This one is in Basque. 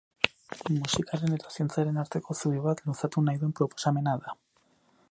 Musikaren eta zientziaren arteko zubi bat luzatu nahi duen proposamena da.